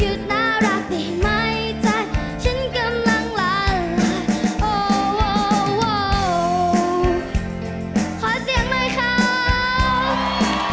หยุดน่ารักได้ไหมจักฉันกำลังหลายหลาย